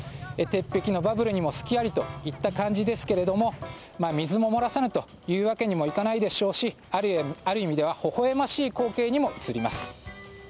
鉄壁のバブルにも隙ありといった感じですが水も漏らさぬというわけにはいかないでしょうしある意味ではほほ笑ましい光景にも映ります。